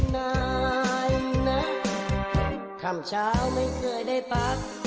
สวัสดีค่ะ